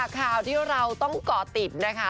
ข่าวที่เราต้องเกาะติดนะคะ